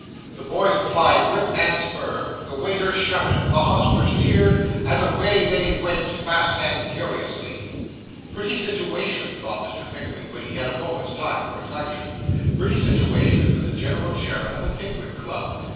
The boys applied whip and spur, the waiters shouted, the hostlers cheered, and away they went, fast and furiously. 'Pretty situation,' thought Mr. Pickwick, when he had had a moment's time for reflection. 'Pretty situation for the general chairman of the Pickwick Club.